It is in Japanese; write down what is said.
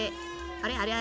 あれあれ？